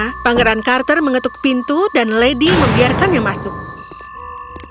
jika pola sepureraman ini div aware soal suatu penyihir dan kita melihatnya darihale